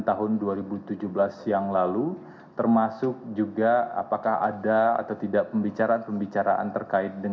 kita akan mencari informasi dari kabupaten kabupaten kabupaten kabupaten